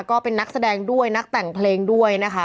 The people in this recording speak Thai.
ก็เป็นนักแสดงด้วยนักแต่งเพลงด้วยนะคะ